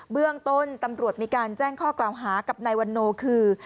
เบื้องต้นตำรวจมีการแจ้งข้อกล่าวหากับนายวันโนคือ